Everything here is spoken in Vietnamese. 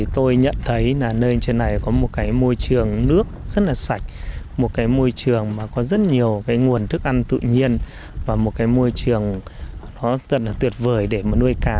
tôi nhận thấy là nơi trên này có một cái môi trường nước rất là sạch một cái môi trường mà có rất nhiều cái nguồn thức ăn tự nhiên và một cái môi trường nó thật là tuyệt vời để mà nuôi cá